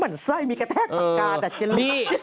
มันใส่มีกระแทกปากกาดัดเจริญ